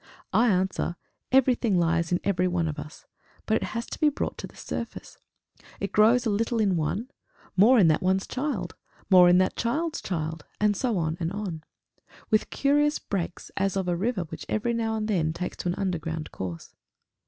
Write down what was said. I answer, Everything lies in everyone of us, but has to be brought to the surface. It grows a little in one, more in that one's child, more in that child's child, and so on and on with curious breaks as of a river which every now and then takes to an underground course.